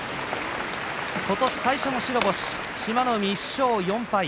今年最初の白星、志摩ノ海１勝４敗。